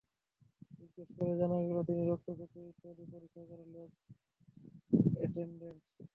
জিজ্ঞেস করে জানা গেল, তিনি রক্ত, মূত্র ইত্যাদি পরীক্ষাগারের ল্যাব অ্যাটেনডেন্ট।